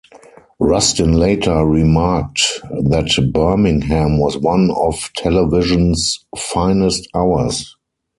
Rustin later remarked that Birmingham was one of television's finest hours.